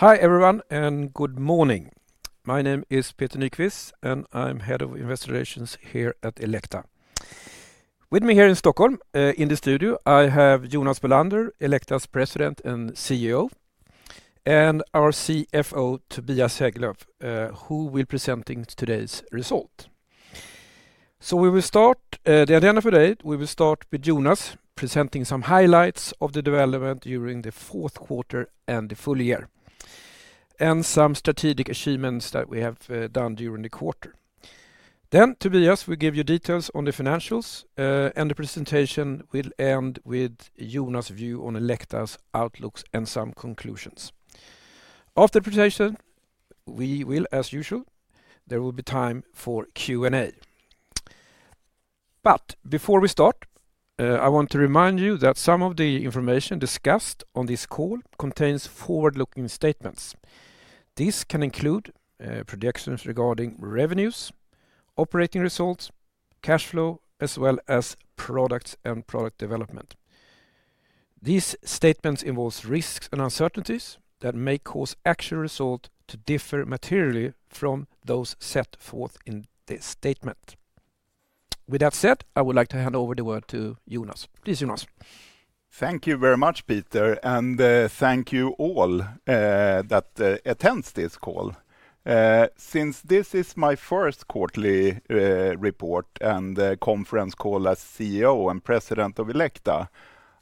Hi everyone and good morning. My name is Peter Nyquist, and I'm Head of Investor Relations here at Elekta. With me here in Stockholm, in the studio, I have Jonas Bolander, Elekta's President and CEO, and our CFO, Tobias Hägglöv, who will be presenting today's result. We will start—the agenda for today—we will start with Jonas presenting some highlights of the development during the fourth quarter and the full year, and some strategic achievements that we have done during the quarter. Then, Tobias will give you details on the financials, and the presentation will end with Jonas' view on Elekta's outlooks and some conclusions. After the presentation, we will, as usual, there will be time for Q&A. Before we start, I want to remind you that some of the information discussed on this call contains forward-looking statements. This can include projections regarding revenues, operating results, cash flow, as well as products and product development. These statements involve risks and uncertainties that may cause actual results to differ materially from those set forth in this statement. With that said, I would like to hand over the word to Jonas. Please, Jonas. Thank you very much, Peter, and thank you all that attend this call. Since this is my first quarterly report and conference call as CEO and President of Elekta,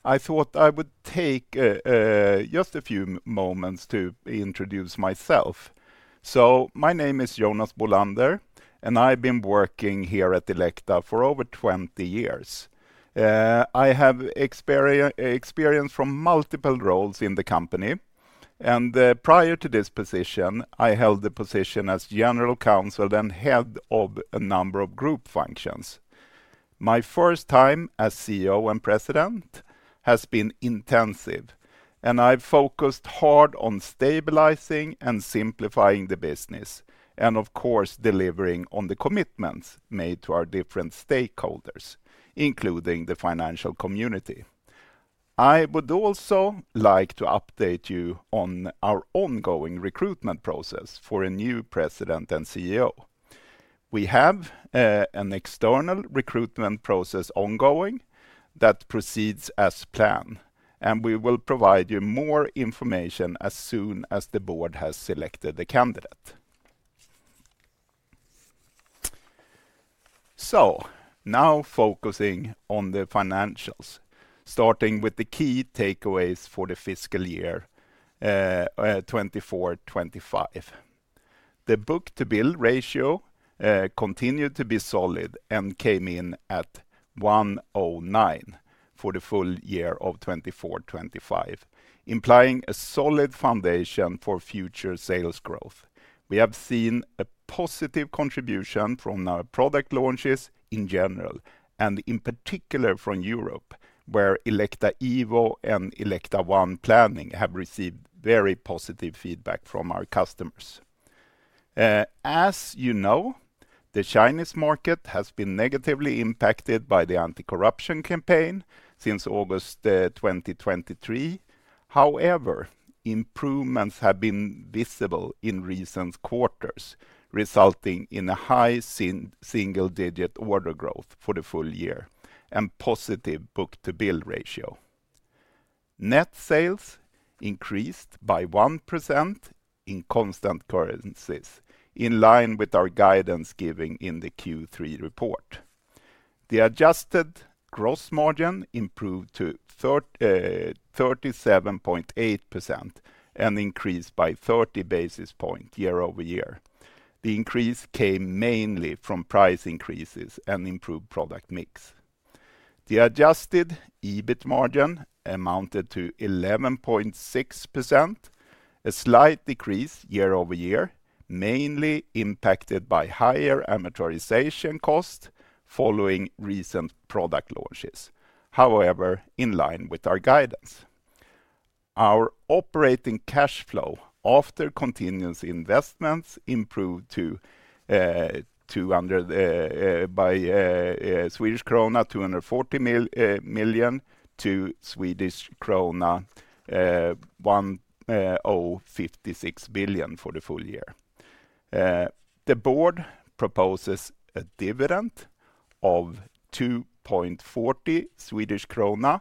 I thought I would take just a few moments to introduce myself. My name is Jonas Bolander, and I've been working here at Elekta for over 20 years. I have experience from multiple roles in the company, and prior to this position, I held the position as General Counsel and head of a number of group functions. My first time as CEO and President has been intensive, and I've focused hard on stabilizing and simplifying the business, and of course delivering on the commitments made to our different stakeholders, including the financial community. I would also like to update you on our ongoing recruitment process for a new President and CEO. We have an external recruitment process ongoing that proceeds as planned, and we will provide you more information as soon as the board has selected the candidate. Now focusing on the financials, starting with the key takeaways for the fiscal year 2024-2025. The book-to-bill ratio continued to be solid and came in at 109 for the full year of 2024-2025, implying a solid foundation for future sales growth. We have seen a positive contribution from our product launches in general, and in particular from Europe, where Elekta Evo and Elekta ONE Planning have received very positive feedback from our customers. As you know, the Chinese market has been negatively impacted by the anti-corruption campaign since August 2023. However, improvements have been visible in recent quarters, resulting in high single-digit order growth for the full year and a positive book-to-bill ratio. Net sales increased by 1% in constant currencies, in line with our guidance given in the Q3 report. The adjusted gross margin improved to 37.8% and increased by 30 basis points year over year. The increase came mainly from price increases and improved product mix. The adjusted EBIT margin amounted to 11.6%, a slight decrease year over year, mainly impacted by higher amortization costs following recent product launches, however in line with our guidance. Our operating cash flow after continuous investments improved by Swedish krona 240 million to Swedish krona 1,056 million for the full year. The board proposes a dividend of 2.40 Swedish krona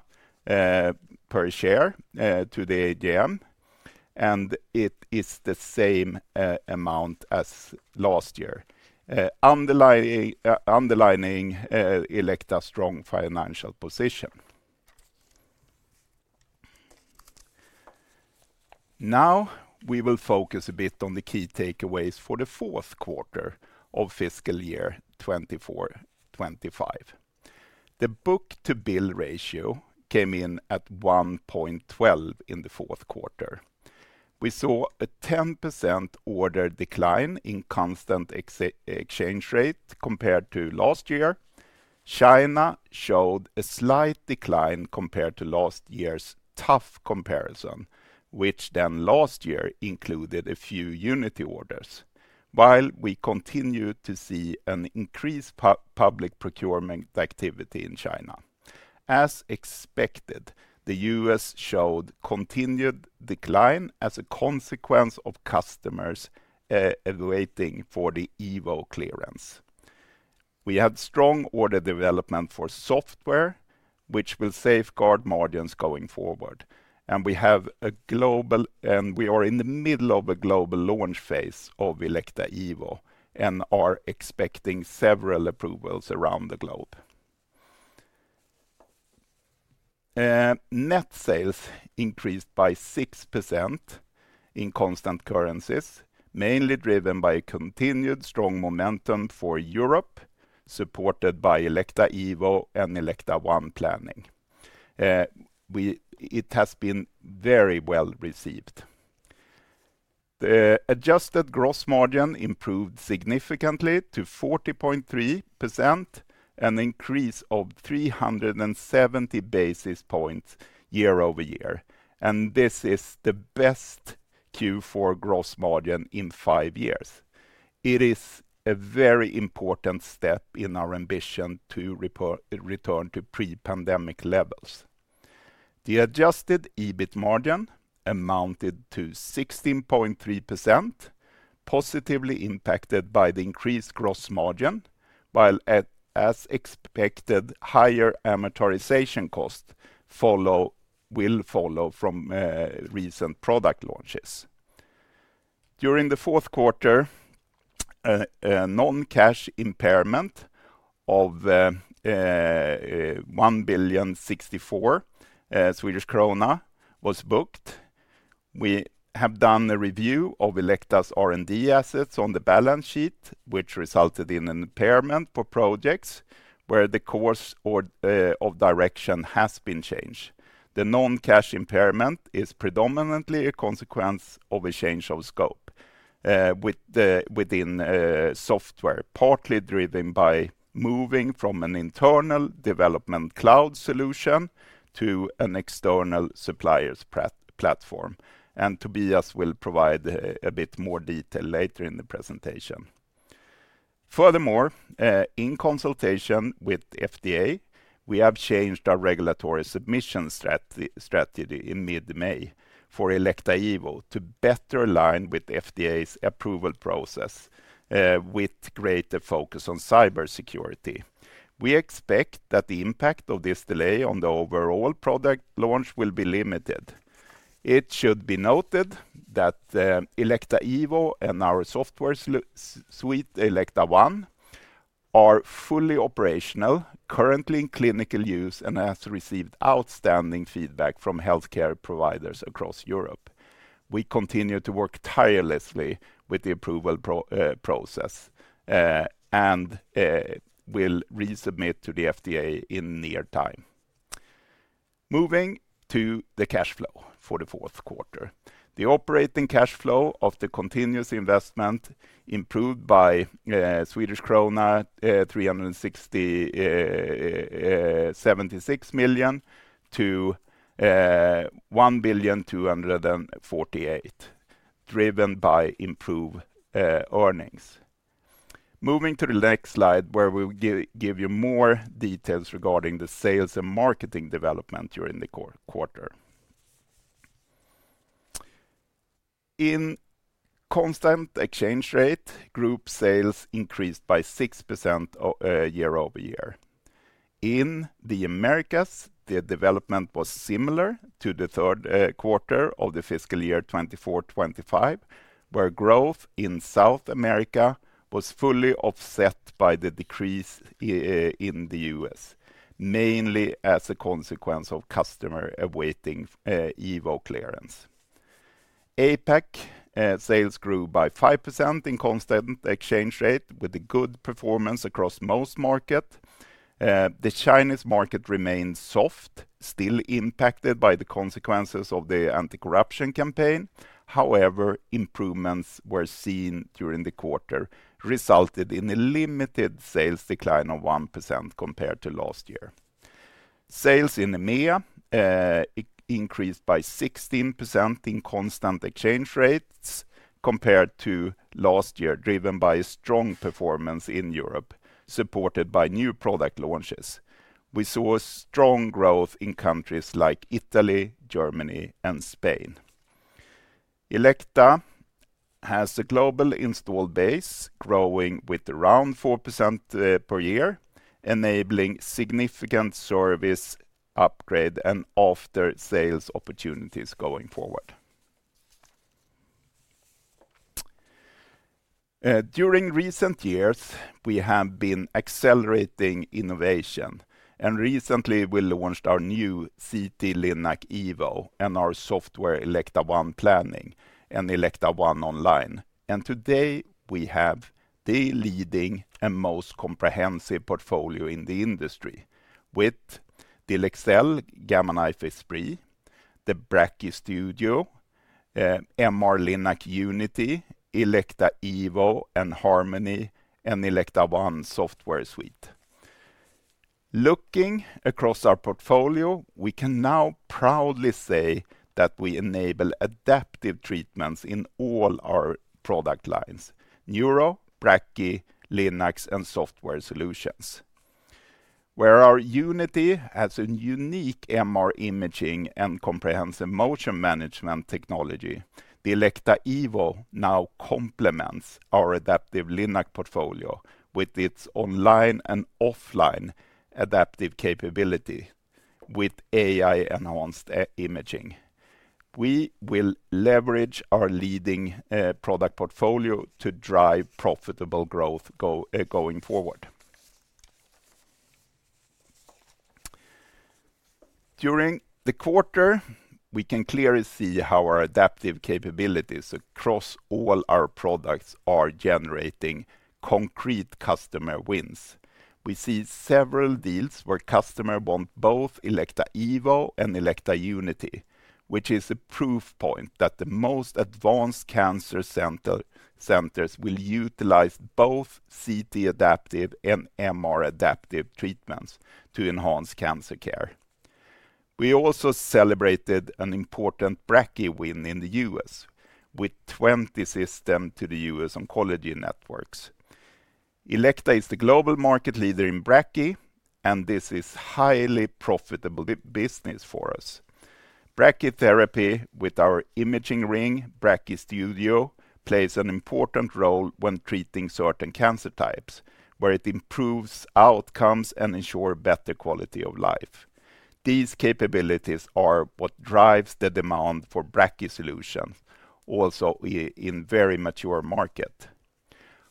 per share to the AGM, and it is the same amount as last year, underlining Elekta's strong financial position. Now we will focus a bit on the key takeaways for the fourth quarter of fiscal year 2024-2025. The book-to-bill ratio came in at 1.12 in the fourth quarter. We saw a 10% order decline in constant exchange rate compared to last year. China showed a slight decline compared to last year's tough comparison, which then last year included a few Unity orders, while we continued to see an increased public procurement activity in China. As expected, the U.S. showed continued decline as a consequence of customers awaiting for the Evo clearance. We had strong order development for software, which will safeguard margins going forward, and we are in the middle of a global launch phase of Elekta Evo and are expecting several approvals around the globe. Net sales increased by 6% in constant currencies, mainly driven by continued strong momentum for Europe, supported by Elekta Evo and Elekta ONE Planning. It has been very well received. The adjusted gross margin improved significantly to 40.3%, an increase of 370 basis points year over year, and this is the best Q4 gross margin in five years. It is a very important step in our ambition to return to pre-pandemic levels. The adjusted EBIT margin amounted to 16.3%, positively impacted by the increased gross margin, while as expected, higher amortization costs will follow from recent product launches. During the fourth quarter, a non-cash impairment of 1.64 billion was booked. We have done a review of Elekta's R&D assets on the balance sheet, which resulted in an impairment for projects where the course of direction has been changed. The non-cash impairment is predominantly a consequence of a change of scope within software, partly driven by moving from an internal development cloud solution to an external supplier's platform, and Tobias will provide a bit more detail later in the presentation. Furthermore, in consultation with the FDA, we have changed our regulatory submission strategy in mid-May for Elekta Evo to better align with the FDA's approval process, with greater focus on cybersecurity. We expect that the impact of this delay on the overall product launch will be limited. It should be noted that Elekta Evo and our software suite, Elekta ONE, are fully operational, currently in clinical use, and have received outstanding feedback from healthcare providers across Europe. We continue to work tirelessly with the approval process and will resubmit to the FDA in near time. Moving to the cash flow for the fourth quarter, the operating cash flow of the continuous investment improved by Swedish krona 360.76 million to 1.248 billion, driven by improved earnings. Moving to the next slide, where we will give you more details regarding the sales and marketing development during the quarter. In constant exchange rate, group sales increased by 6% year over year. In the Americas, the development was similar to the third quarter of the fiscal year 2024-2025, where growth in South America was fully offset by the decrease in the U.S., mainly as a consequence of customers awaiting Evo clearance. APAC sales grew by 5% in constant exchange rate, with a good performance across most markets. The Chinese market remained soft, still impacted by the consequences of the anti-corruption campaign. However, improvements were seen during the quarter, resulting in a limited sales decline of 1% compared to last year. Sales in EMEA increased by 16% in constant exchange rates compared to last year, driven by strong performance in Europe, supported by new product launches. We saw strong growth in countries like Italy, Germany, and Spain. Elekta has a global installed base growing with around 4% per year, enabling significant service upgrade and after-sales opportunities going forward. During recent years, we have been accelerating innovation, and recently we launched our new CT-Linac Elekta Evo and our software Elekta ONE Planning and Elekta ONE Online. Today we have the leading and most comprehensive portfolio in the industry with the Leksell Gamma Knife Esprit, the Brachy Studio, MR-Linac Unity, Elekta Evo and Harmony, and Elekta ONE software suite. Looking across our portfolio, we can now proudly say that we enable adaptive treatments in all our product lines: Neuro, Brachy, Linacs, and software solutions. Where our Unity has a unique MR imaging and comprehensive motion management technology, the Elekta Evo now complements our adaptive Linac portfolio with its online and offline adaptive capability with AI-enhanced imaging. We will leverage our leading product portfolio to drive profitable growth going forward. During the quarter, we can clearly see how our adaptive capabilities across all our products are generating concrete customer wins. We see several deals where customers want both Elekta Evo and Elekta Unity, which is a proof point that the most advanced cancer centers will utilize both CT adaptive and MR adaptive treatments to enhance cancer care. We also celebrated an important Brachy win in the U.S. with 20 systems to the U.S. on Colleagues Networks. Elekta is the global market leader in brachy, and this is a highly profitable business for us. Brachytherapy with our imaging ring, Brachy Studio, plays an important role when treating certain cancer types, where it improves outcomes and ensures better quality of life. These capabilities are what drive the demand for brachy solutions, also in a very mature market.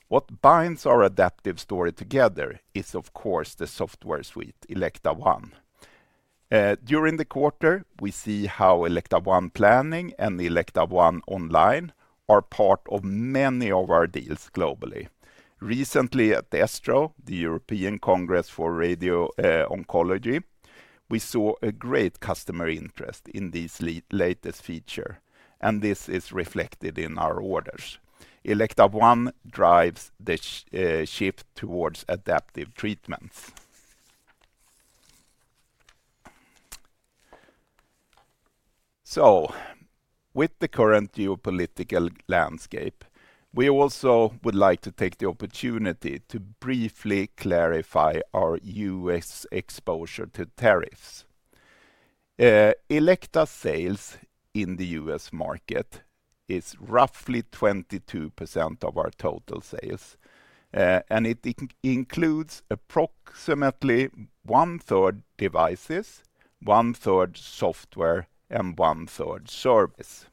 What binds our adaptive story together is, of course, the software suite, Elekta ONE. During the quarter, we see how Elekta ONE Planning and Elekta ONE Online are part of many of our deals globally. Recently at ESTRO, the European Congress for Radiotherapy and Oncology, we saw a great customer interest in this latest feature, and this is reflected in our orders. Elekta ONE drives the shift towards adaptive treatments. With the current geopolitical landscape, we also would like to take the opportunity to briefly clarify our US exposure to tariffs. Elekta sales in the U.S. market is roughly 22% of our total sales, and it includes approximately one-third devices, one-third software, and one-third service.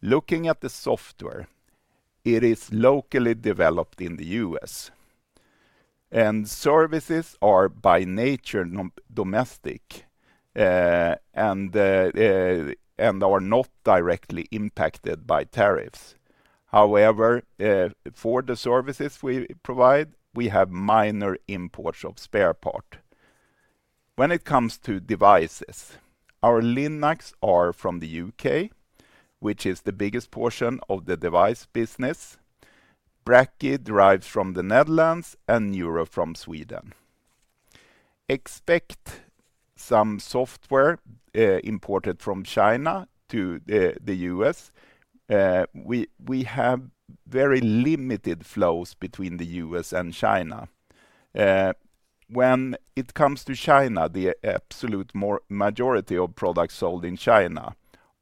Looking at the software, it is locally developed in the US, and services are by nature domestic and are not directly impacted by tariffs. However, for the services we provide, we have minor imports of spare parts. When it comes to devices, our Linacs are from the U.K., which is the biggest portion of the device business. Brachy derives from the Netherlands and Neuro from Sweden. Expect some software imported from China to the U.S. We have very limited flows between the U.S. and China. When it comes to China, the absolute majority of products sold in China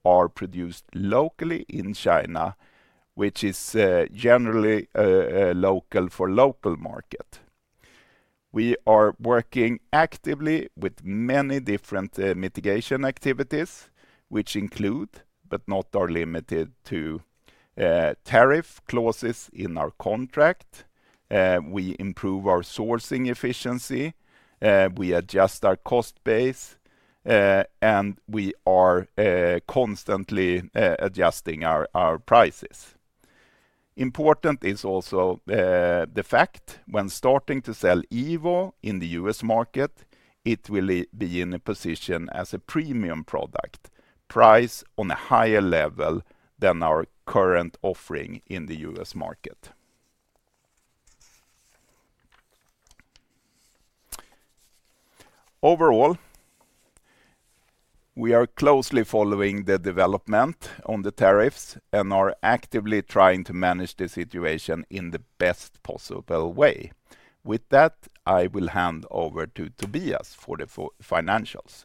are produced locally in China, which is generally local for the local market. We are working actively with many different mitigation activities, which include, but are not limited to, tariff clauses in our contract. We improve our sourcing efficiency, we adjust our cost base, and we are constantly adjusting our prices. Important is also the fact that when starting to sell Evo in the U.S. market, it will be in a position as a premium product, priced on a higher level than our current offering in the U.S. market. Overall, we are closely following the development on the tariffs and are actively trying to manage the situation in the best possible way. With that, I will hand over to Tobias for the financials.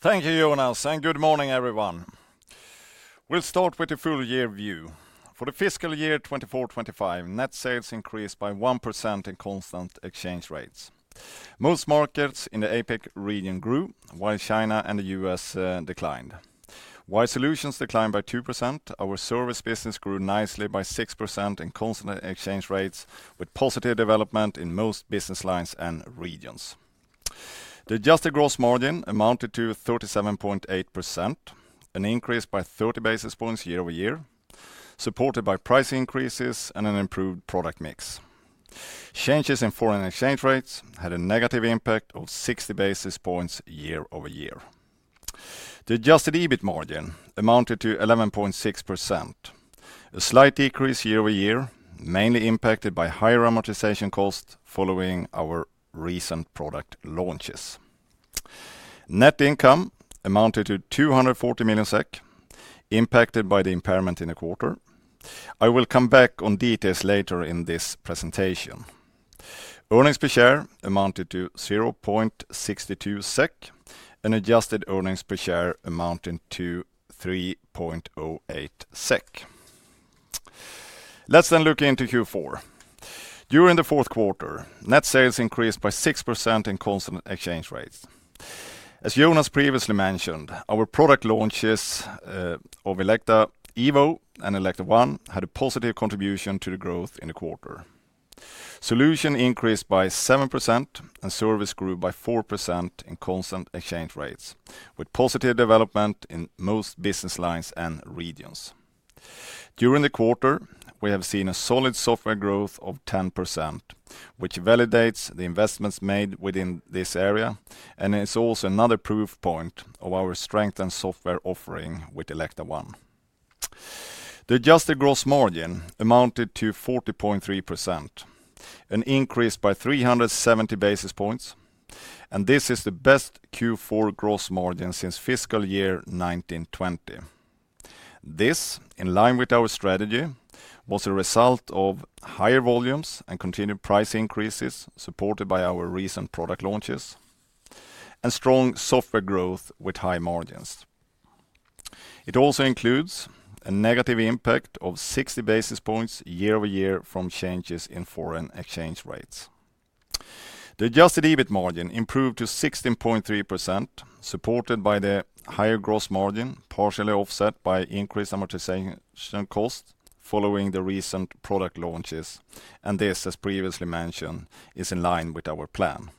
Thank you, Jonas, and good morning, everyone. We'll start with the full year view. For the fiscal year 2024-2025, net sales increased by 1% in constant exchange rates. Most markets in the APAC region grew, while China and the U.S. declined. While solutions declined by 2%, our service business grew nicely by 6% in constant exchange rates, with positive development in most business lines and regions. The adjusted gross margin amounted to 37.8%, an increase by 30 basis points year over year, supported by price increases and an improved product mix. Changes in foreign exchange rates had a negative impact of 60 basis points year over year. The adjusted EBIT margin amounted to 11.6%, a slight decrease year over year, mainly impacted by higher amortization costs following our recent product launches. Net income amounted to 240 million SEK, impacted by the impairment in the quarter. I will come back on details later in this presentation. Earnings per share amounted to 0.62 SEK, and adjusted earnings per share amounted to 3.08 SEK. Let's then look into Q4. During the fourth quarter, net sales increased by 6% in constant exchange rates. As Jonas previously mentioned, our product launches of Elekta Evo and Elekta ONE had a positive contribution to the growth in the quarter. Solution increased by 7%, and service grew by 4% in constant exchange rates, with positive development in most business lines and regions. During the quarter, we have seen a solid software growth of 10%, which validates the investments made within this area, and is also another proof point of our strengthened software offering with Elekta ONE. The adjusted gross margin amounted to 40.3%, an increase by 370 basis points, and this is the best Q4 gross margin since fiscal year 2019-2020. This, in line with our strategy, was a result of higher volumes and continued price increases supported by our recent product launches, and strong software growth with high margins. It also includes a negative impact of 60 basis points year over year from changes in foreign exchange rates. The adjusted EBIT margin improved to 16.3%, supported by the higher gross margin, partially offset by increased amortization costs following the recent product launches, and this, as previously mentioned, is in line with our plan.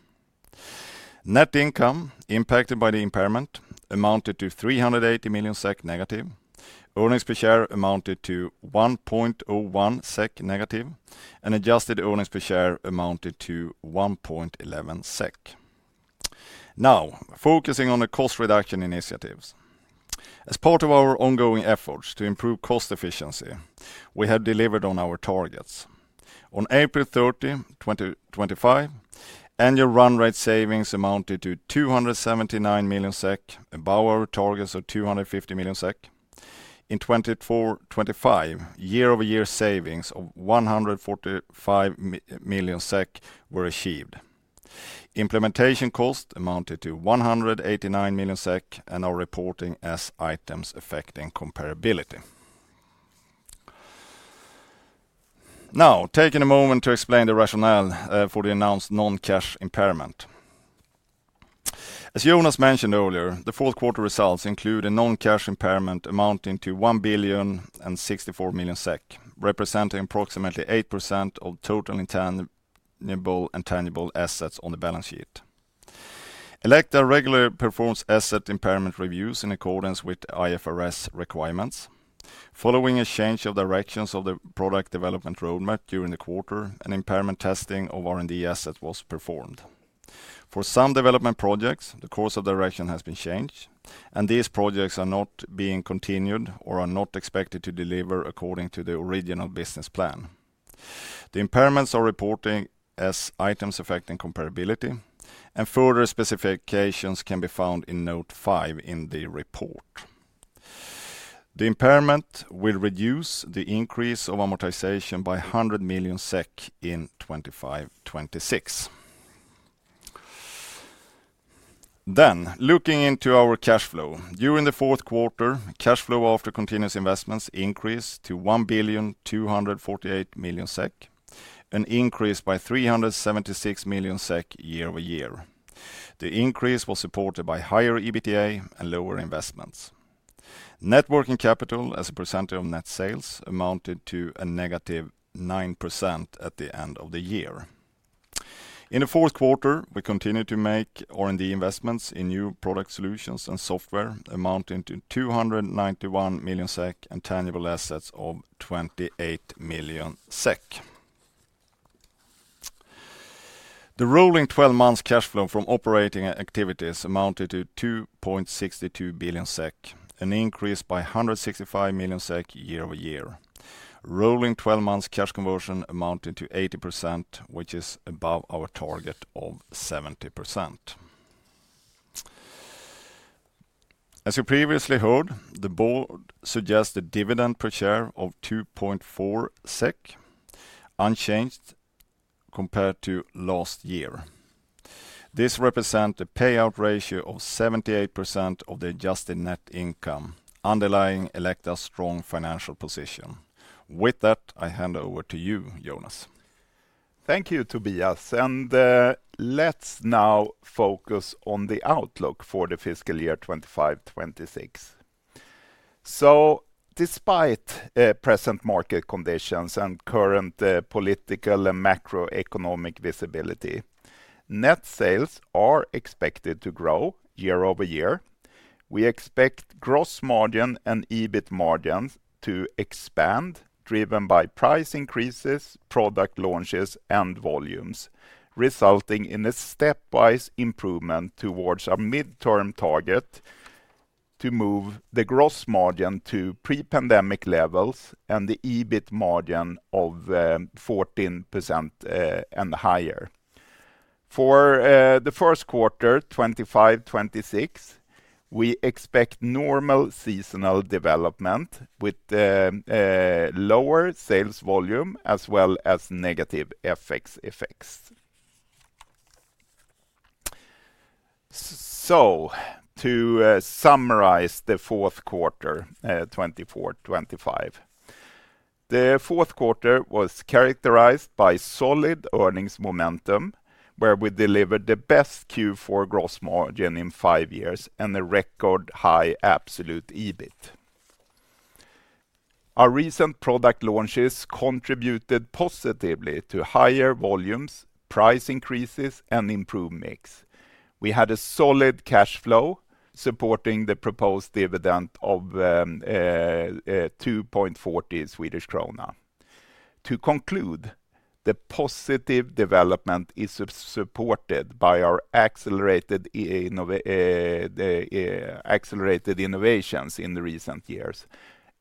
Net income impacted by the impairment amounted to 380 million SEK negative, earnings per share amounted to 1.01 SEK negative, and adjusted earnings per share amounted to 1.11 SEK. Now, focusing on the cost reduction initiatives. As part of our ongoing efforts to improve cost efficiency, we have delivered on our targets. On April 30, 2025, annual run rate savings amounted to 279 million SEK, above our targets of 250 million SEK. In 2024-2025, year-over-year savings of 145 million SEK were achieved. Implementation costs amounted to 189 million SEK, and our reporting as items affecting comparability. Now, taking a moment to explain the rationale for the announced non-cash impairment. As Jonas mentioned earlier, the fourth quarter results include a non-cash impairment amounting to 1 billion 64 million, representing approximately 8% of total intangible and tangible assets on the balance sheet. Elekta regularly performs asset impairment reviews in accordance with IFRS requirements. Following a change of directions of the product development roadmap during the quarter, an impairment testing of R&D assets was performed. For some development projects, the course of direction has been changed, and these projects are not being continued or are not expected to deliver according to the original business plan. The impairments are reported as items affecting comparability, and further specifications can be found in note five in the report. The impairment will reduce the increase of amortization by SEK 100 million in 2025-2026. Looking into our cash flow, during the fourth quarter, cash flow after continuous investments increased to 1 billion 248 million, an increase by 376 million SEK year over year. The increase was supported by higher EBITDA and lower investments. Networking capital, as a percentage of net sales, amounted to a negative 9% at the end of the year. In the fourth quarter, we continued to make R&D investments in new product solutions and software, amounting to 291 million SEK and tangible assets of 28 million SEK. The rolling 12-month cash flow from operating activities amounted to 2.62 billion SEK, an increase by 165 million SEK year over year. Rolling 12-month cash conversion amounted to 80%, which is above our target of 70%. As you previously heard, the board suggested a dividend per share of 2.4 SEK, unchanged compared to last year. This represents a payout ratio of 78% of the adjusted net income, underlying Elekta's strong financial position. With that, I hand over to you, Jonas. Thank you, Tobias. Let's now focus on the outlook for the fiscal year 2025-2026. Despite present market conditions and current political and macroeconomic visibility, net sales are expected to grow year over year. We expect gross margin and EBIT margins to expand, driven by price increases, product launches, and volumes, resulting in a stepwise improvement towards our midterm target to move the gross margin to pre-pandemic levels and the EBIT margin of 14% and higher. For the first quarter, 2025-2026, we expect normal seasonal development with lower sales volume as well as negative effects. To summarize the fourth quarter, 2024-2025, the fourth quarter was characterized by solid earnings momentum, where we delivered the best Q4 gross margin in five years and a record high absolute EBIT. Our recent product launches contributed positively to higher volumes, price increases, and improved mix. We had a solid cash flow supporting the proposed dividend of 2.40 Swedish krona. To conclude, the positive development is supported by our accelerated innovations in the recent years,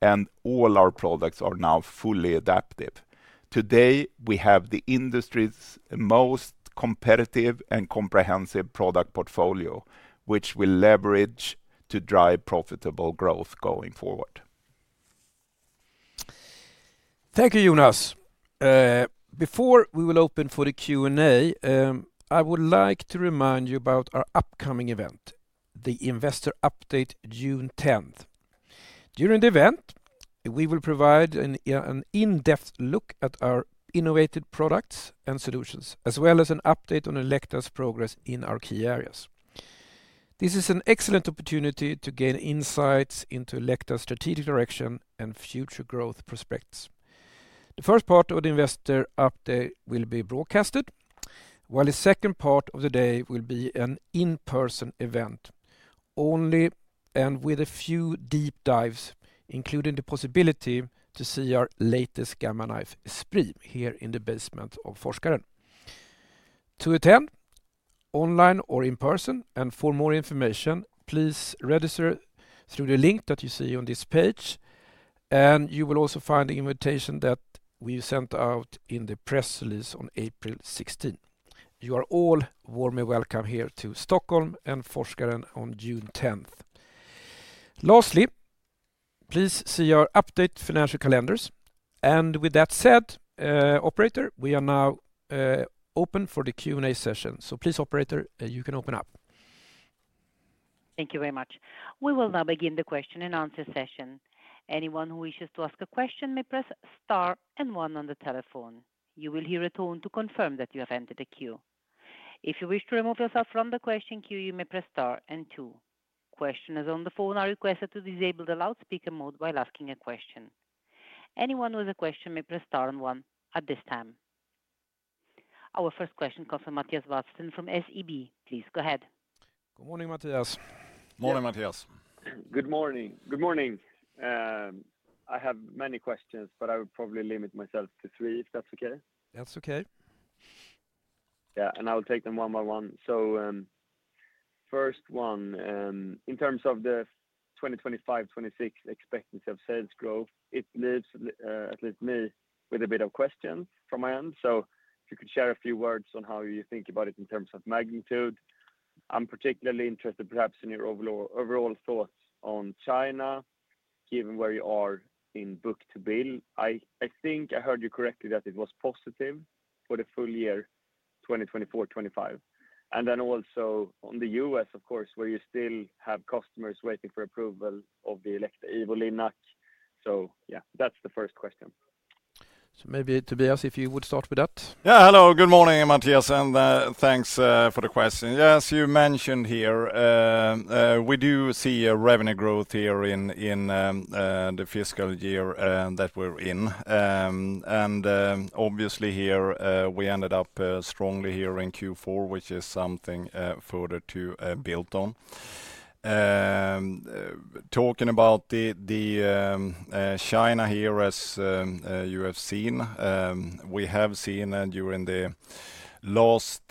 and all our products are now fully adaptive. Today, we have the industry's most competitive and comprehensive product portfolio, which we leverage to drive profitable growth going forward. Thank you, Jonas. Before we will open for the Q&A, I would like to remind you about our upcoming event, the Investor Update June 10. During the event, we will provide an in-depth look at our innovated products and solutions, as well as an update on Elekta's progress in our key areas. This is an excellent opportunity to gain insights into Elekta's strategic direction and future growth prospects. The first part of the Investor Update will be broadcasted, while the second part of the day will be an in-person event only and with a few deep dives, including the possibility to see our latest Gamma Knife stream here in the basement of Forskaren. To attend, online or in person, and for more information, please register through the link that you see on this page, and you will also find the invitation that we sent out in the press release on April 16. You are all warmly welcome here to Stockholm and Forskaren on June 10. Lastly, please see our updated financial calendars, and with that said, Operator, we are now open for the Q&A session, so please, Operator, you can open up. Thank you very much. We will now begin the question and answer session. Anyone who wishes to ask a question may press Star and One on the telephone. You will hear a tone to confirm that you have entered the queue. If you wish to remove yourself from the question queue, you may press Star and Two. Questioners on the phone are requested to disable the loudspeaker mode while asking a question. Anyone with a question may press Star and One at this time. Our first question comes from Mattias Wadsten from SEB. Please go ahead. Good morning, Mattias. Morning, Mattias. Good morning. Good morning. I have many questions, but I will probably limit myself to three if that's okay. That's okay. Yeah, and I'll take them one by one. First one, in terms of the 2025-2026 expectancy of sales growth, it leaves at least me with a bit of questions from my end. If you could share a few words on how you think about it in terms of magnitude. I'm particularly interested, perhaps, in your overall thoughts on China, given where you are in book-to-bill. I think I heard you correctly that it was positive for the full year, 2024-2025. Then also on the U.S., of course, where you still have customers waiting for approval of the Elekta Evo Linac. Yeah, that's the first question. Maybe Tobias, if you would start with that. Yeah, hello, good morning, Mattias, and thanks for the question. Yes, you mentioned here, we do see a revenue growth here in the fiscal year that we're in. Obviously here, we ended up strongly here in Q4, which is something further to build on. Talking about China here, as you have seen, we have seen during the last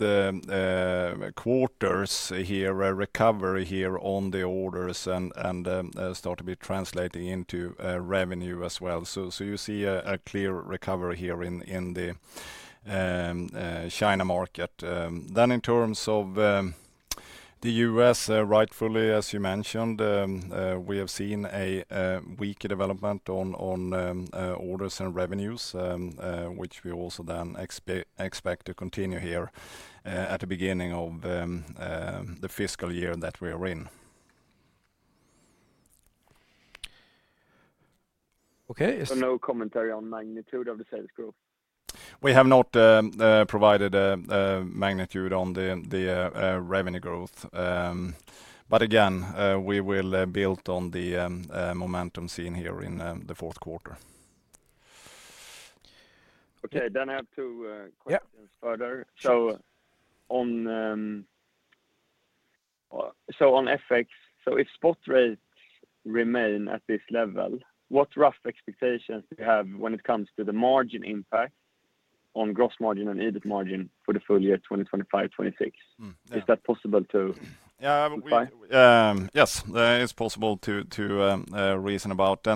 quarters here a recovery here on the orders and started to be translating into revenue as well. You see a clear recovery here in the China market. In terms of the U.S., rightfully, as you mentioned, we have seen a weaker development on orders and revenues, which we also then expect to continue here at the beginning of the fiscal year that we are in. Okay. No commentary on magnitude of the sales growth? We have not provided magnitude on the revenue growth. Again, we will build on the momentum seen here in the fourth quarter. Okay, I have two questions further. On FX, if spot rates remain at this level, what rough expectations do you have when it comes to the margin impact on gross margin and EBIT margin for the full year 2025-2026? Is that possible to apply? Yes, it is possible to reason about.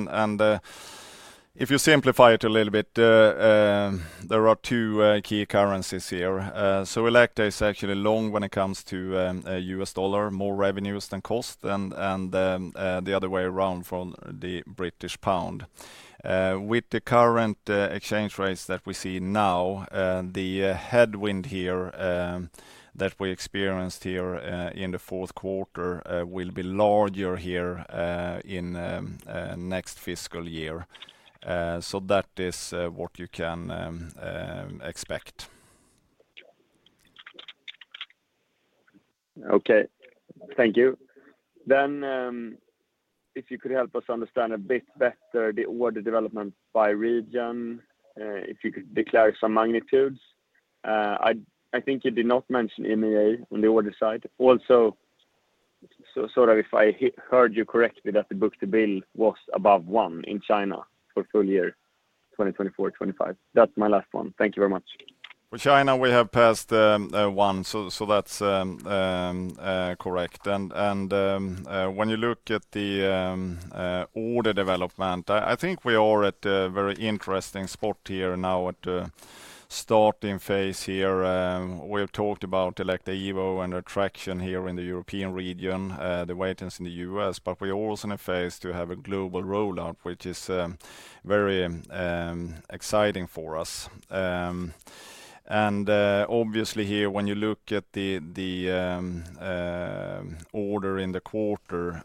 If you simplify it a little bit, there are two key currencies here. Elekta is actually long when it comes to US dollar, more revenues than cost, and the other way around from the British pound. With the current exchange rates that we see now, the headwind here that we experienced here in the fourth quarter will be larger here in next fiscal year. That is what you can expect. Okay, thank you. If you could help us understand a bit better the order development by region, if you could declare some magnitudes. I think you did not mention EMEA on the order side. Also, sort of if I heard you correctly that the book-to-bill was above one in China for full year 2024-2025. That is my last one. Thank you very much. For China, we have passed one, so that is correct. When you look at the order development, I think we are at a very interesting spot here now at the starting phase here. We have talked about Elekta Evo and attraction here in the European region, the waitings in the U.S., but we are also in a phase to have a global rollout, which is very exciting for us. Obviously here, when you look at the order in the quarter,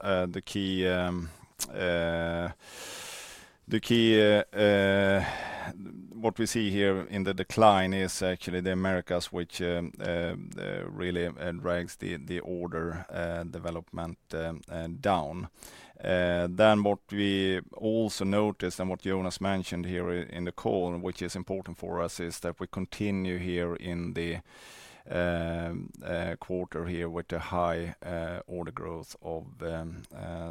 the key what we see here in the decline is actually the Americas, which really drags the order development down. What we also noticed and what Jonas mentioned here in the call, which is important for us, is that we continue here in the quarter here with a high order growth of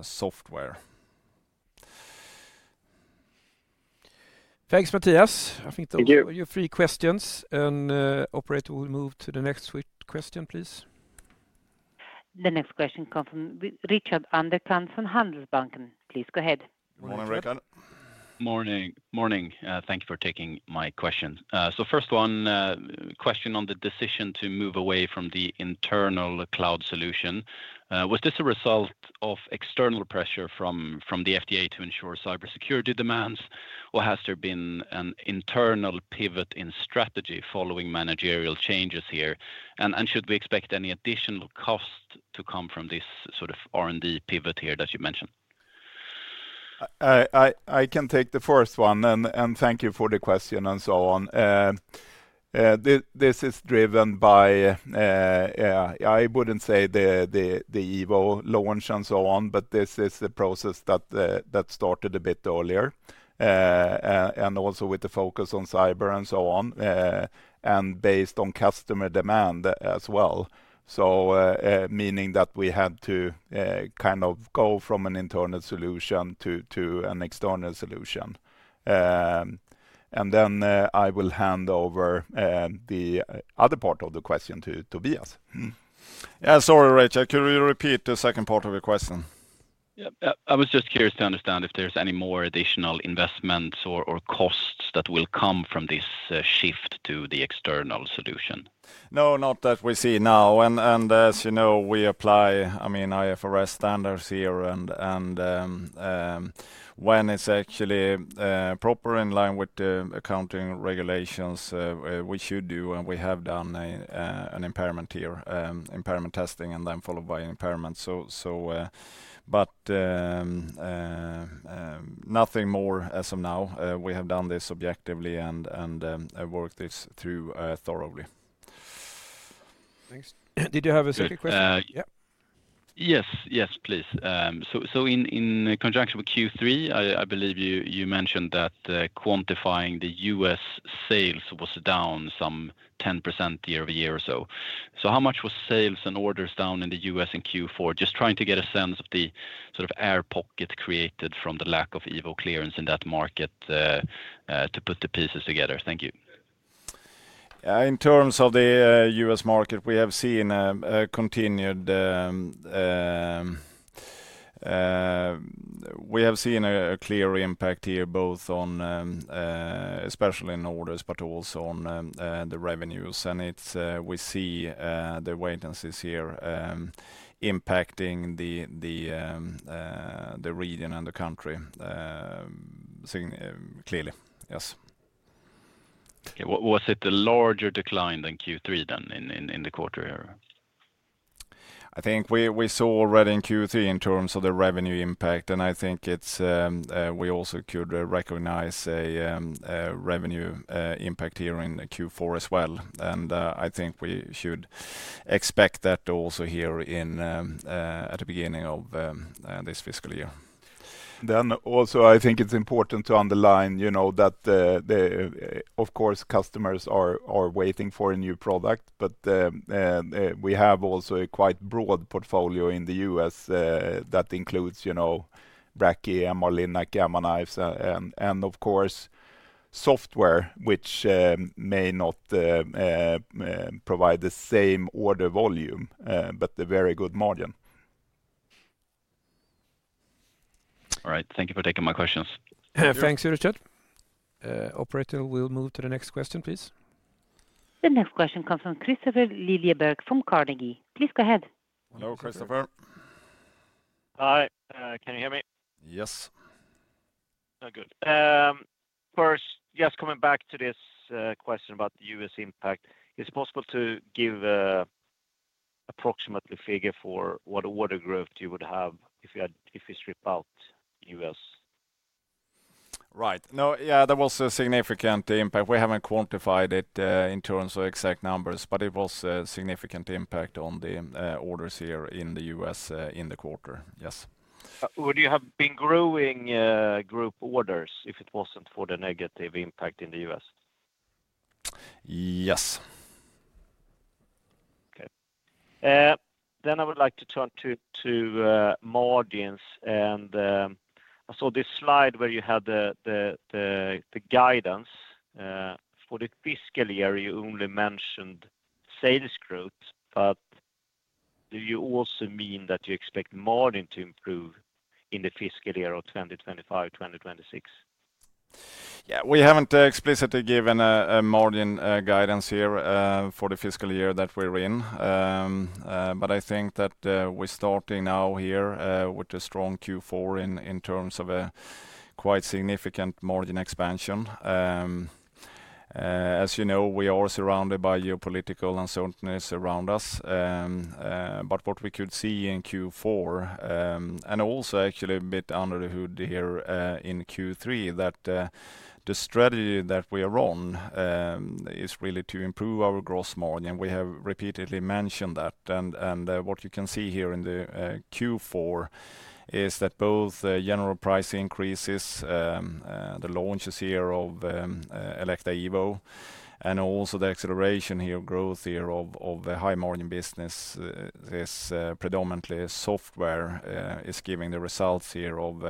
software. Thanks, Mattias. I think there are a few questions. Operator, we'll move to the next question, please. The next question comes from Richard Andersson from Handelsbanken. Please go ahead. Good morning, Richard. Morning. Thank you for taking my question. First one, question on the decision to move away from the internal cloud solution. Was this a result of external pressure from the FDA to ensure cybersecurity demands? Or has there been an internal pivot in strategy following managerial changes here? Should we expect any additional cost to come from this sort of R&D pivot here that you mentioned? I can take the first one and thank you for the question and so on. This is driven by, I would not say the Evo launch and so on, but this is the process that started a bit earlier. Also with the focus on cyber and so on, and based on customer demand as well. Meaning that we had to kind of go from an internal solution to an external solution. I will hand over the other part of the question to Tobias. Yeah, sorry, Richard, could you repeat the second part of your question? Yeah, I was just curious to understand if there's any more additional investments or costs that will come from this shift to the external solution. No, not that we see now. As you know, we apply, I mean, IFRS standards here. When it's actually proper in line with the accounting regulations, we should do, and we have done an impairment here, impairment testing, and then followed by an impairment. Nothing more as of now. We have done this objectively and worked this through thoroughly. Thanks. Did you have a second question? Yes, yes, please. In conjunction with Q3, I believe you mentioned that quantifying the U.S. sales was down some 10% year over year or so. How much were sales and orders down in the U.S. in Q4? Just trying to get a sense of the sort of air pocket created from the lack of Evo clearance in that market to put the pieces together. Thank you. In terms of the U.S. market, we have seen a continued, we have seen a clear impact here, both especially in orders, but also on the revenues. We see the waitings here impacting the region and the country clearly. Yes. Was it a larger decline than Q3 then in the quarter here? I think we saw already in Q3 in terms of the revenue impact. I think we also could recognize a revenue impact here in Q4 as well. I think we should expect that also here at the beginning of this fiscal year. I think it's important to underline that, of course, customers are waiting for a new product, but we have also a quite broad portfolio in the U.S. that includes Brachy, AMR Linac, Gamma Knifes, and, of course, software, which may not provide the same order volume, but a very good margin. All right, thank you for taking my questions. Thanks, Richard. Operator, we'll move to the next question, please. The next question comes from Kristofer Liljeberg from Carnegie. Please go ahead. Hello, Kristofer. Hi, can you hear me? Yes. Good. First, just coming back to this question about the U.S. impact, it's possible to give an approximate figure for what order growth you would have if you strip out U.S.? Right. No, yeah, there was a significant impact. We haven't quantified it in terms of exact numbers, but it was a significant impact on the orders here in the U.S. in the quarter. Yes. Would you have been growing group orders if it wasn't for the negative impact in the U.S.? Yes. Okay. I would like to turn to margins. I saw this slide where you had the guidance for the fiscal year. You only mentioned sales growth, but do you also mean that you expect margin to improve in the fiscal year of 2025-2026? Yeah, we haven't explicitly given a margin guidance here for the fiscal year that we're in. I think that we're starting now here with a strong Q4 in terms of a quite significant margin expansion. As you know, we are surrounded by geopolitical uncertainties around us. What we could see in Q4, and also actually a bit under the hood here in Q3, is that the strategy that we are on is really to improve our gross margin. We have repeatedly mentioned that. What you can see here in Q4 is that both the general price increases, the launches here of Elekta Evo, and also the acceleration here of growth here of the high margin business, this predominantly software, is giving the results here of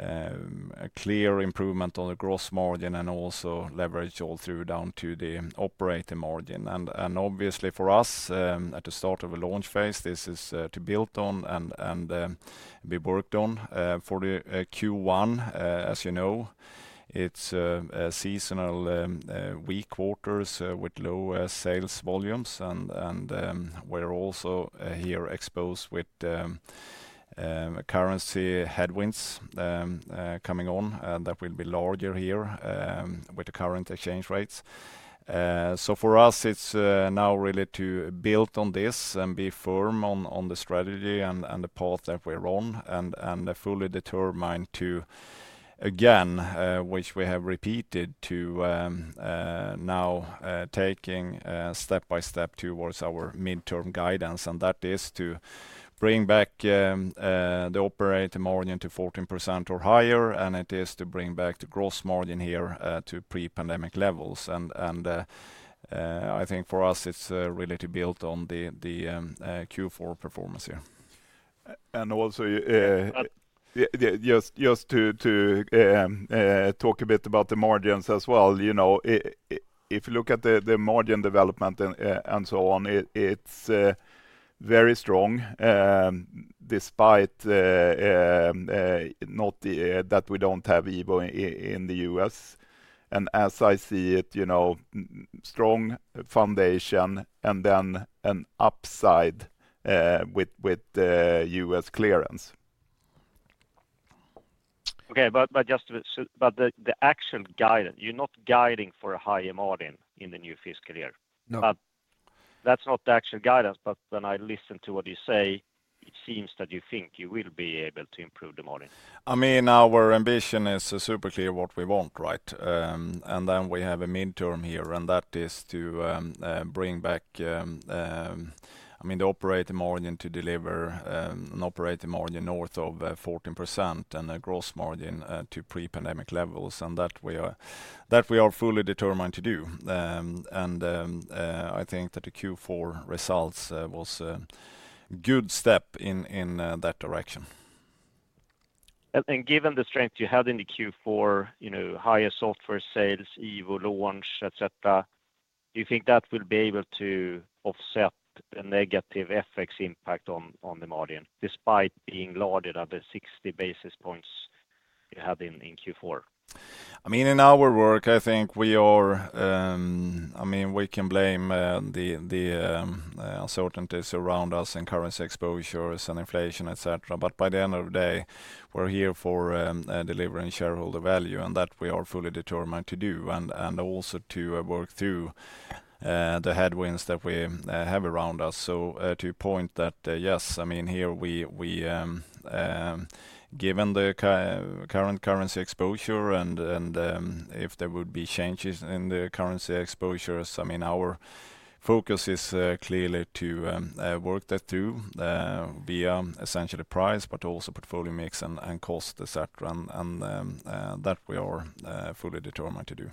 a clear improvement on the gross margin and also leverage all through down to the operating margin. Obviously for us, at the start of the launch phase, this is to build on and be worked on. For Q1, as you know, it is seasonal weak quarters with low sales volumes. We are also here exposed with currency headwinds coming on that will be larger here with the current exchange rates. For us, it is now really to build on this and be firm on the strategy and the path that we are on and fully determined to, again, which we have repeated to now taking step by step towards our midterm guidance. That is to bring back the operating margin to 14% or higher, and it is to bring back the gross margin here to pre-pandemic levels. I think for us, it is really to build on the Q4 performance here. Also, just to talk a bit about the margins as well, if you look at the margin development and so on, it is very strong despite not that we do not have Evo in the U.S. As I see it, strong foundation and then an upside with U.S. clearance. Okay, but just the actual guidance, you're not guiding for a higher margin in the new fiscal year. No. That's not the actual guidance, but when I listen to what you say, it seems that you think you will be able to improve the margin. I mean, our ambition is super clear what we want, right? I mean, we have a midterm here, and that is to bring back, I mean, the operating margin to deliver an operating margin north of 14% and a gross margin to pre-pandemic levels. That we are fully determined to do. I think that the Q4 results was a good step in that direction. Given the strength you had in the Q4, higher software sales, Evo launch, etc., do you think that will be able to offset the negative FX impact on the margin despite being larger than the 60 basis points you had in Q4? I mean, in our work, I think we are, I mean, we can blame the uncertainties around us and currency exposures and inflation, etc. By the end of the day, we're here for delivering shareholder value, and that we are fully determined to do. Also to work through the headwinds that we have around us. To point that, yes, I mean, here we given the current currency exposure, and if there would be changes in the currency exposures, I mean, our focus is clearly to work that through via essentially price, but also portfolio mix and cost, etc. That we are fully determined to do.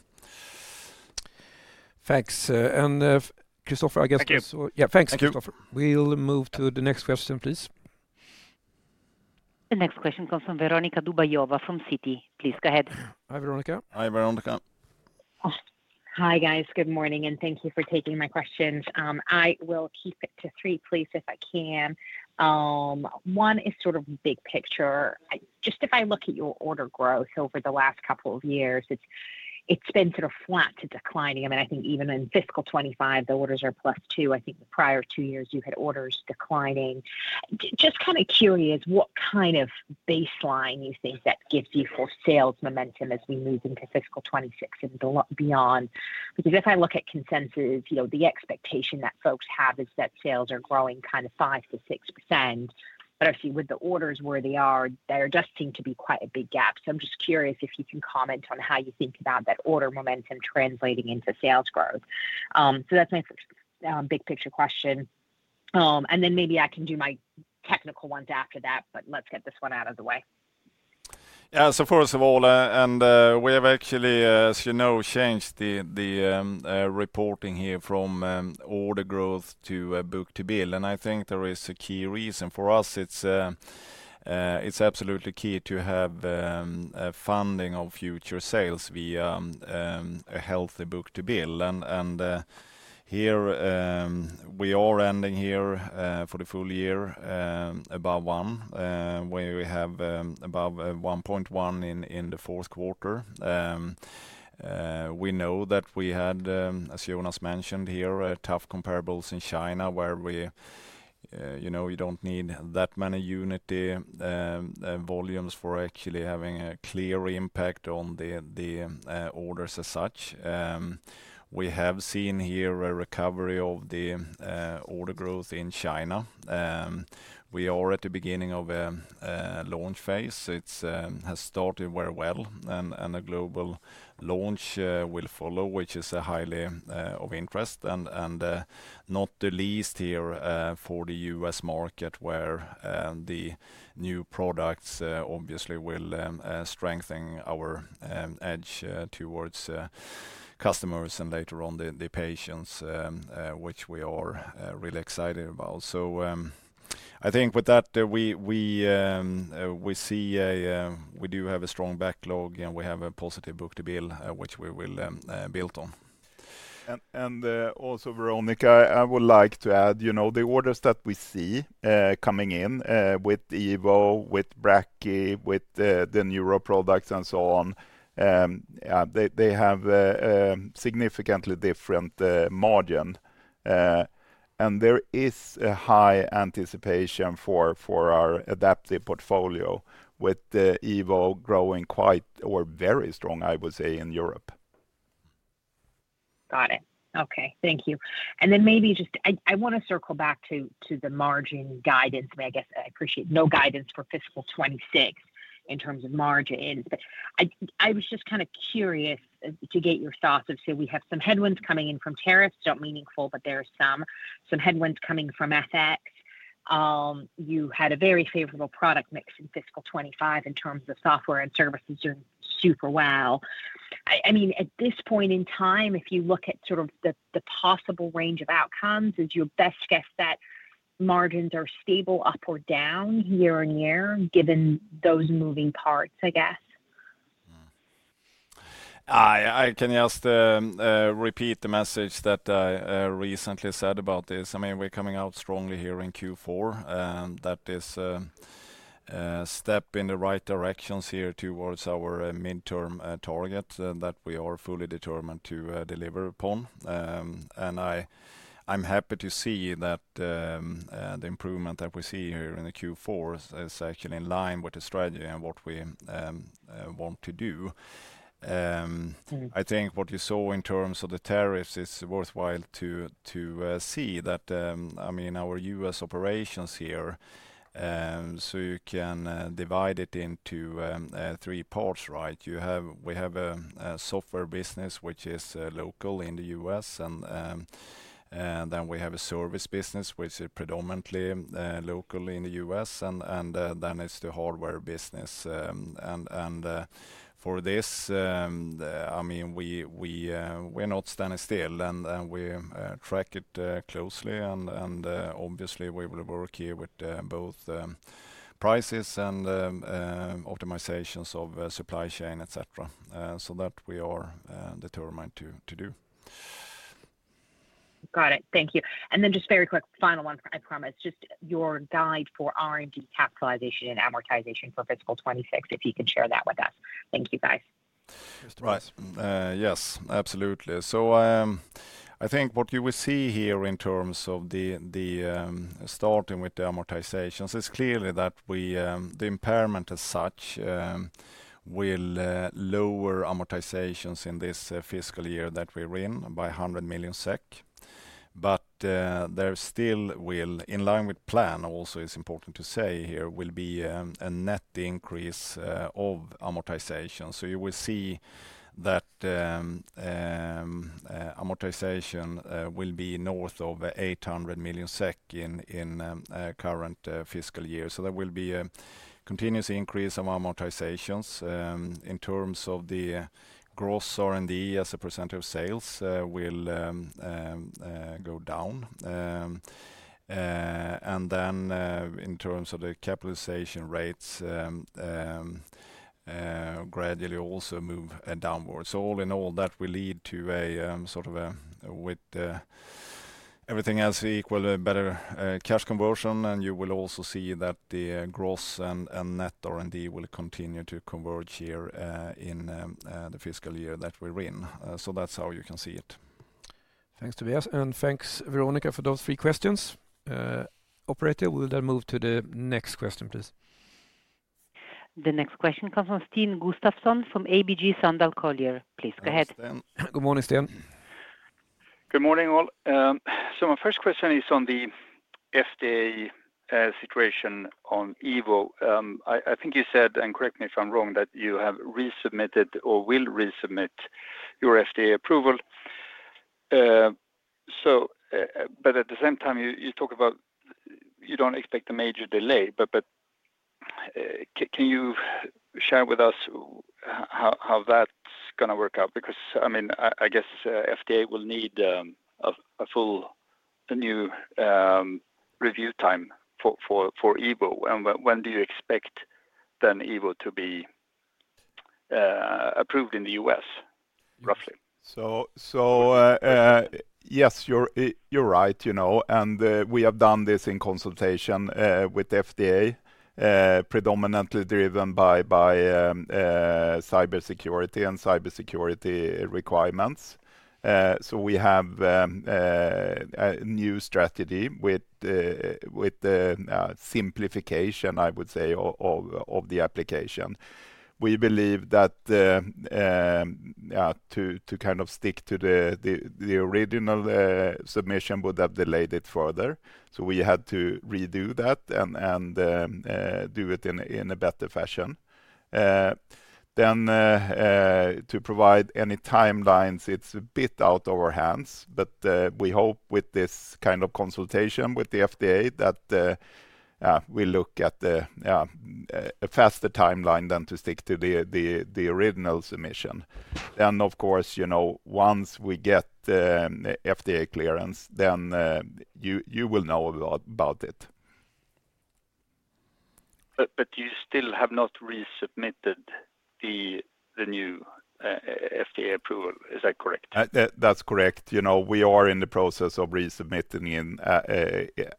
Thanks. Kristofer, I guess. Thank you. Yeah, thanks, Kristofer. We'll move to the next question, please. The next question comes from Veronika Dubajova from Citi. Please go ahead. Hi, Veronica. Hi, Veronica. Hi, guys. Good morning, and thank you for taking my questions. I will keep it to three, please, if I can. One is sort of big picture. Just if I look at your order growth over the last couple of years, it's been sort of flat to declining. I mean, I think even in fiscal 2025, the orders are plus 2%. I think the prior two years you had orders declining. Just kind of curious what kind of baseline you think that gives you for sales momentum as we move into fiscal 2026 and beyond. Because if I look at consensus, the expectation that folks have is that sales are growing kind of 5%-6%. But I see with the orders where they are, there does seem to be quite a big gap. I am just curious if you can comment on how you think about that order momentum translating into sales growth. That is my big picture question. Maybe I can do my technical ones after that, but let's get this one out of the way. Yeah, first of all, we have actually, as you know, changed the reporting here from order growth to book-to-bill. I think there is a key reason for us. It is absolutely key to have funding of future sales via a healthy book-to-bill. Here we are ending here for the full year above one. We have above 1.1 in the fourth quarter. We know that we had, as Jonas mentioned here, tough comparables in China where you do not need that many unit volumes for actually having a clear impact on the orders as such. We have seen here a recovery of the order growth in China. We are at the beginning of a launch phase. It has started very well, and a global launch will follow, which is highly of interest. Not the least here for the U.S. market where the new products obviously will strengthen our edge towards customers and later on the patients, which we are really excited about. I think with that, we see we do have a strong backlog, and we have a positive book-to-bill, which we will build on. Also, Veronica, I would like to add the orders that we see coming in with Evo, with Brachy, with the newer products and so on. They have significantly different margin. There is a high anticipation for our adaptive portfolio with Evo growing quite or very strong, I would say, in Europe. Got it. Okay, thank you. Maybe just I want to circle back to the margin guidance. I mean, I guess I appreciate no guidance for fiscal 2026 in terms of margins. I was just kind of curious to get your thoughts of, we have some headwinds coming in from tariffs, not meaningful, but there are some headwinds coming from FX. You had a very favorable product mix in fiscal 2025 in terms of software and services doing super well. I mean, at this point in time, if you look at sort of the possible range of outcomes, is your best guess that margins are stable, up, or down year on year given those moving parts, I guess? I can just repeat the message that I recently said about this. I mean, we're coming out strongly here in Q4. That is a step in the right direction here towards our midterm target that we are fully determined to deliver upon. I am happy to see that the improvement that we see here in Q4 is actually in line with the strategy and what we want to do. I think what you saw in terms of the tariffs is worthwhile to see that, I mean, our U.S. operations here, so you can divide it into three parts, right? We have a software business, which is local in the U.S. We have a service business, which is predominantly local in the U.S. It is the hardware business. For this, I mean, we are not standing still, and we track it closely. Obviously, we will work here with both prices and optimizations of supply chain, etc., so that we are determined to do. Got it. Thank you. Just very quick, final one, I promise, just your guide for R&D capitalization and amortization for fiscal 2026, if you can share that with us. Thank you, guys. Right. Yes, absolutely. I think what you will see here in terms of starting with the amortizations is clearly that the impairment as such will lower amortizations in this fiscal year that we are in by 100 million SEK. There still will, in line with plan, also is important to say here, will be a net increase of amortization. You will see that amortization will be north of 800 million SEK in the current fiscal year. There will be a continuous increase of amortizations. In terms of the gross R&D as a percentage of sales, it will go down. In terms of the capitalization rates, they will gradually also move downwards. All in all, that will lead to, with everything else equal, a better cash conversion. You will also see that the gross and net R&D will continue to converge here in the fiscal year that we are in. That is how you can see it. Thanks, Tobias. Thanks, Veronika, for those three questions. Operator, we will then move to the next question, please. The next question comes from Sten Gustafsson from ABG Sundal Collier, please go ahead. Good morning, Sten. Good morning, all. My first question is on the FDA situation on Evo. I think you said, and correct me if I'm wrong, that you have resubmitted or will resubmit your FDA approval. At the same time, you talk about you do not expect a major delay. Can you share with us how that is going to work out? Because, I mean, I guess FDA will need a full new review time for Evo. When do you expect then Evo to be approved in the U.S., roughly? Yes, you are right. We have done this in consultation with FDA, predominantly driven by cybersecurity and cybersecurity requirements. We have a new strategy with the simplification, I would say, of the application. We believe that to kind of stick to the original submission would have delayed it further. We had to redo that and do it in a better fashion. To provide any timelines, it's a bit out of our hands. We hope with this kind of consultation with the FDA that we look at a faster timeline than to stick to the original submission. Of course, once we get FDA clearance, you will know about it. You still have not resubmitted the new FDA approval. Is that correct? That's correct. We are in the process of resubmitting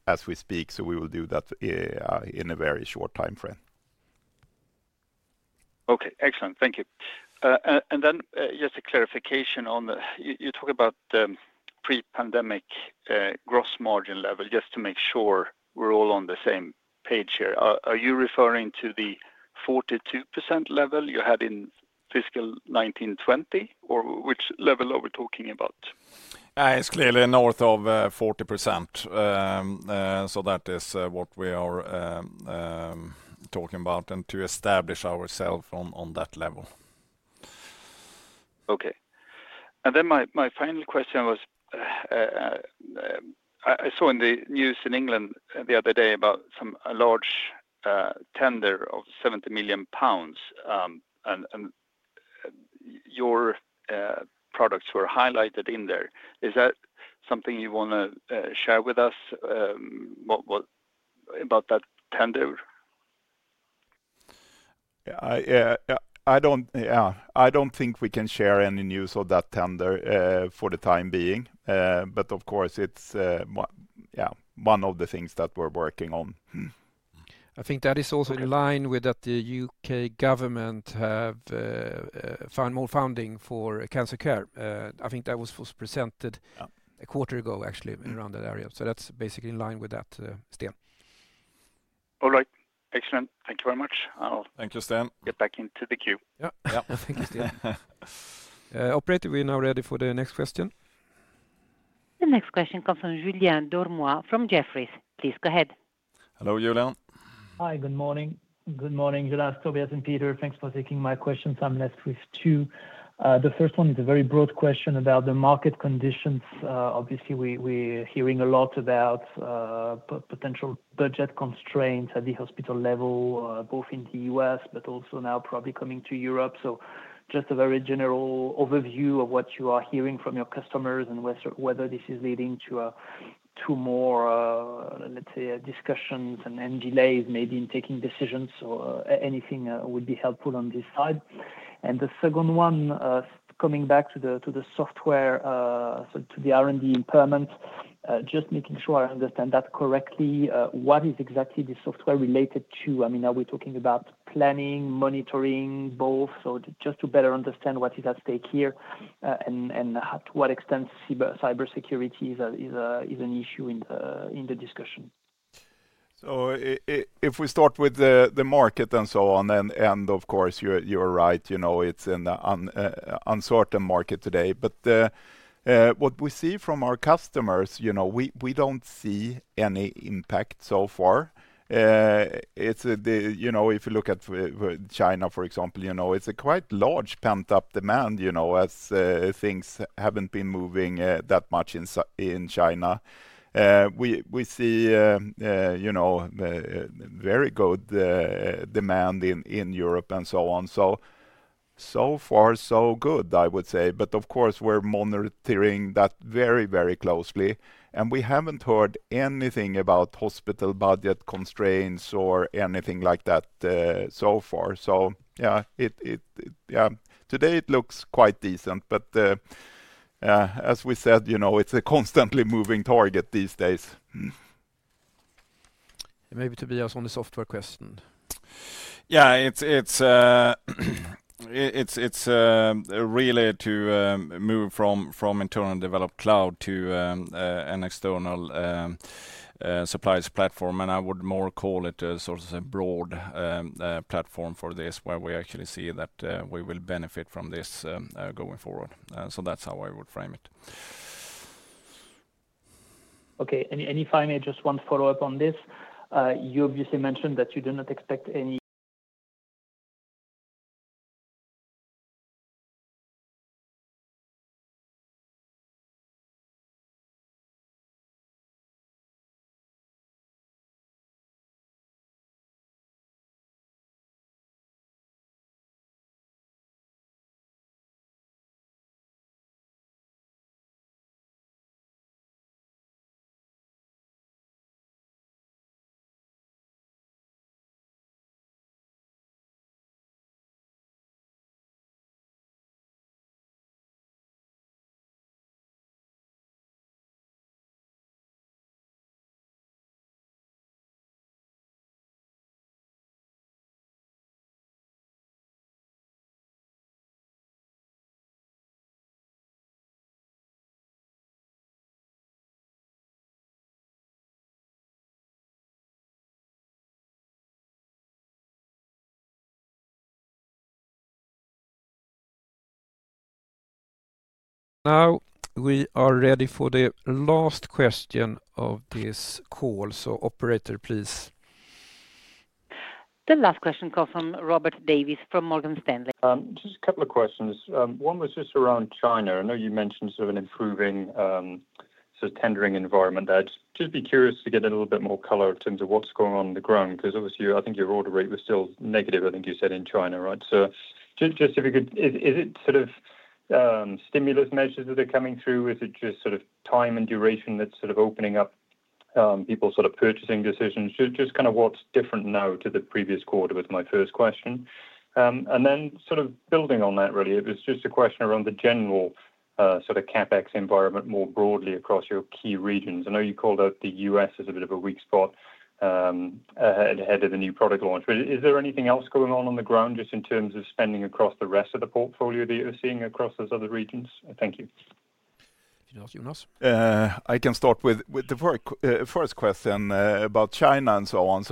as we speak. We will do that in a very short timeframe. Okay, excellent. Thank you. Just a clarification on the, you talk about the pre-pandemic gross margin level, just to make sure we're all on the same page here. Are you referring to the 42% level you had in fiscal 2019-2020, or which level are we talking about? It's clearly north of 40%. That is what we are talking about and to establish ourselves on that level. Okay. My final question was, I saw in the news in England the other day about some large tender of 70 million pounds. Your products were highlighted in there. Is that something you want to share with us about that tender? I do not think we can share any news of that tender for the time being. Of course, it is one of the things that we are working on. I think that is also in line with that the U.K. government have found more funding for cancer care. I think that was presented a quarter ago, actually, around that area. That is basically in line with that, Sten. All right. Excellent. Thank you very much. Thank you, Sten. Get back into the queue. Yeah, thank you, Sten. Operator, we're now ready for the next question. The next question comes from Julien Dormois from Jefferies. Please go ahead. Hello, Julien. Hi, good morning. Good morning, Jonas, Tobias, and Peter. Thanks for taking my questions. I'm left with two. The first one is a very broad question about the market conditions. Obviously, we're hearing a lot about potential budget constraints at the hospital level, both in the U.S., but also now probably coming to Europe. Just a very general overview of what you are hearing from your customers and whether this is leading to more, let's say, discussions and delays maybe in taking decisions. Anything would be helpful on this side. The second one, coming back to the software, to the R&D impairment, just making sure I understand that correctly, what is exactly the software related to? I mean, are we talking about planning, monitoring, both? Just to better understand what is at stake here and to what extent cybersecurity is an issue in the discussion. If we start with the market and so on, of course, you're right, it's an uncertain market today. What we see from our customers, we don't see any impact so far. If you look at China, for example, it's a quite large pent-up demand as things haven't been moving that much in China. We see very good demand in Europe and so on. So far, so good, I would say. Of course, we're monitoring that very, very closely. We haven't heard anything about hospital budget constraints or anything like that so far. Yeah, today it looks quite decent. As we said, it's a constantly moving target these days. Maybe Tobias on the software question. Yeah. It's really to move from internal developed Cloud to an external supply platform, and I would call it more broad platform for the this where we'll see that we can benefit from. That's how I would frame It. okay. Them a follow-up on this. You've mentioned that you don't expect any. I'd just be curious to get a little bit more color in terms of what's going on on the ground because obviously, I think your order rate was still negative, I think you said, in China, right? Just if you could, is it sort of stimulus measures that are coming through? Is it just sort of time and duration that's sort of opening up people's sort of purchasing decisions? Just kind of what's different now to the previous quarter was my first question. Then sort of building on that, really, it was just a question around the general sort of CapEx environment more broadly across your key regions. I know you called out the U.S. as a bit of a weak spot ahead of the new product launch. Is there anything else going on on the ground just in terms of spending across the rest of the portfolio that you're seeing across those other regions? Thank you. Jonas? I can start with the first question about China and so on.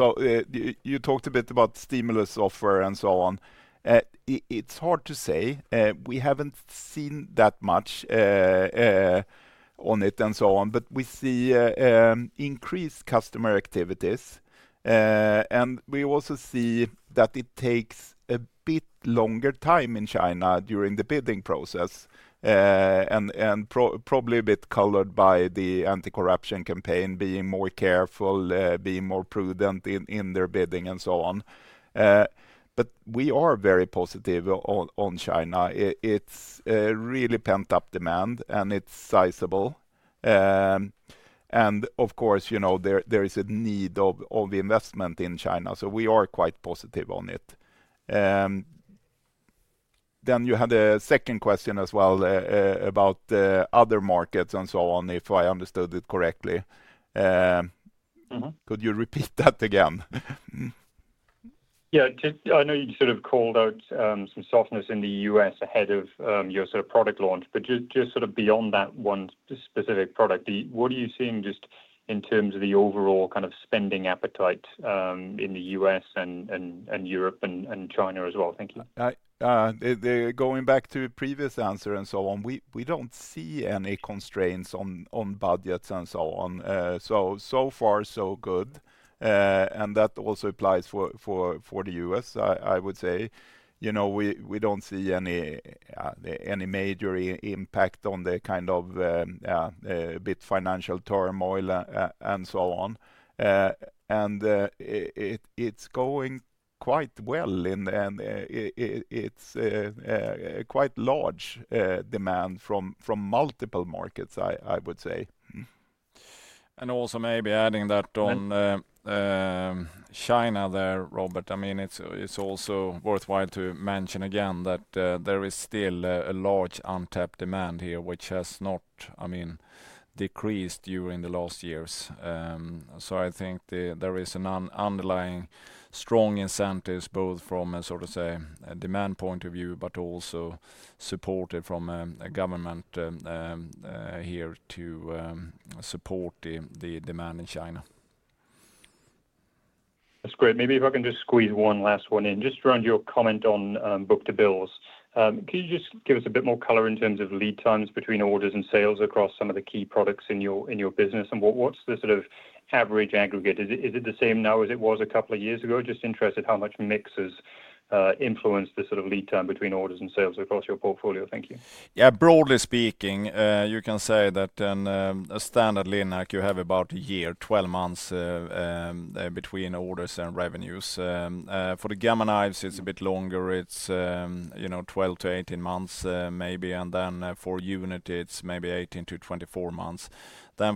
You talked a bit about stimulus, software, and so on. It's hard to say. We haven't seen that much on it and so on. We see increased customer activities. We also see that it takes a bit longer time in China during the bidding process and probably a bit colored by the anti-corruption campaign, being more careful, being more prudent in their bidding and so on. We are very positive on China. It's really pent-up demand, and it's sizable. Of course, there is a need of investment in China. We are quite positive on it. You had a second question as well about other markets and so on, if I understood it correctly. Could you repeat that again? Yeah. I know you sort of called out some softness in the US ahead of your sort of product launch. Just sort of beyond that one specific product, what are you seeing just in terms of the overall kind of spending appetite in the U.S. and Europe and China as well? Thank you. Going back to the previous answer and so on, we do not see any constraints on budgets and so on. So far, so good. That also applies for the US, I would say. We do not see any major impact on the kind of bit financial turmoil and so on. It is going quite well. It is quite large demand from multiple markets, I would say. Also maybe adding that on China there, Robert, I mean, it's also worthwhile to mention again that there is still a large untapped demand here, which has not, I mean, decreased during the last years. I think there is an underlying strong incentive both from a sort of, say, demand point of view, but also supported from a government here to support the demand in China. That's great. Maybe if I can just squeeze one last one in just around your comment on book-to-bill. Could you just give us a bit more color in terms of lead times between orders and sales across some of the key products in your business? What's the sort of average aggregate? Is it the same now as it was a couple of years ago? Just interested how much mixes influence the sort of lead time between orders and sales across your portfolio. Thank you. Yeah, broadly speaking, you can say that a standard linear, you have about a year, 12 months between orders and revenues. For the gamma knives, it's a bit longer. It's 12-18 months maybe. And then for Unity, it's maybe 18-24 months.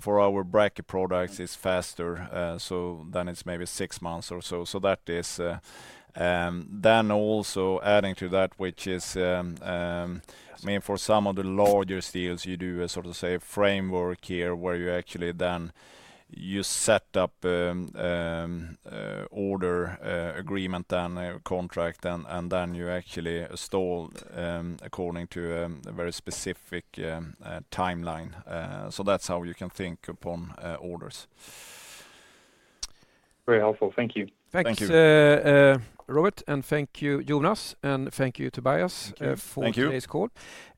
For our bracket products, it's faster. So then it's maybe six months or so. That is. Also adding to that, which is, I mean, for some of the larger deals, you do a sort of, say, framework here where you actually then you set up order agreement and contract, and then you actually install according to a very specific timeline. That's how you can think upon orders. Very helpful. Thank you. Thank you. Thank you, Robert. And thank you, Jonas. Thank you, Tobias, for today's call.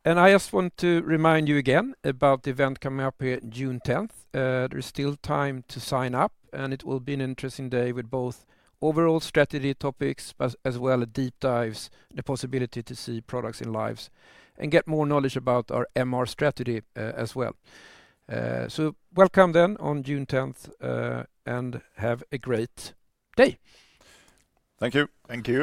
I just want to remind you again about the event coming up here June 10. There is still time to sign up, and it will be an interesting day with both overall strategy topics as well as deep dives, the possibility to see products in live and get more knowledge about our MR strategy as well. Welcome then on June 10, and have a great day. Thank you. Thank you.